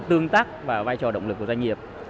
tương tác và vai trò động lực của doanh nghiệp